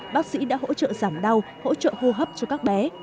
bác sĩ đã hỗ trợ giảm đau hỗ trợ hô hấp cho các bé